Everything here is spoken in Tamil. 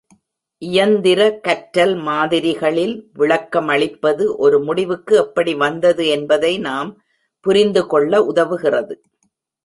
இயந்திர கற்றல் மாதிரிகளில் விளக்கமளிப்பது ஒரு முடிவுக்கு எப்படி வந்தது என்பதை நாம் புரிந்துகொள்ள உதவுகிறது.